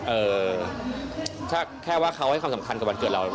เอ่อถ้าแค่ว่าเขาให้ความสำคัญกับวันเกิดเรา